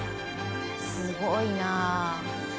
すごいなあ。